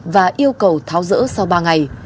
và yêu cầu tháo rỡ sau ba ngày